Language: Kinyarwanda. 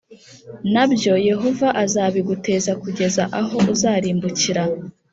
na byo yehova azabiguteza kugeza aho uzarimbukira